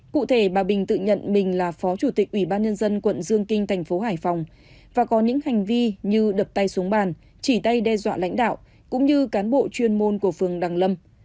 cụ thể bà bình tự nhận mình là phó chủ tịch ubnd quận dương kinh thành phố hải phòng và có những hành vi như đập tay xuống bàn chỉ tay đe dọa lãnh đạo cũng như cán bộ chuyên môn của phường đăng lâm